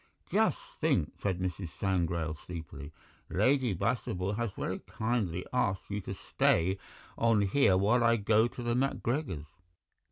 "Just think," said Mrs. Sangrail sleepily; "Lady Bastable has very kindly asked you to stay on here while I go to the MacGregors'."